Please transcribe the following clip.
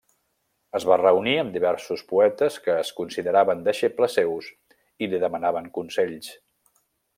Es va reunir amb diversos poetes que es consideraven deixebles seus i li demanaven consells.